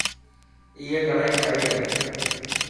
ائي ڪڙائي ٺاهي هي.